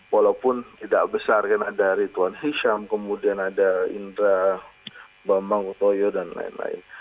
walaupun tidak besar kan ada rituan hisham kemudian ada indra bambang utoyo dan lain lain